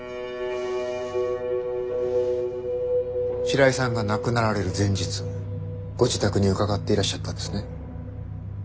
白井さんが亡くなられる前日ご自宅に伺っていらっしゃったんですね。